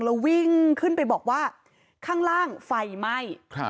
แล้ววิ่งขึ้นไปบอกว่าข้างล่างไฟไหม้